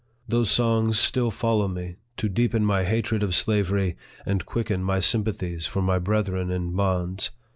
Those songs still follow me, to deepen my hatred of slavery, and quicken my sympa thies for my brethren in bonds.